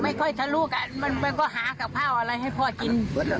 ไม่ค่อยทะเลาะกันมันก็หากับพ่ออะไรให้พ่อกิน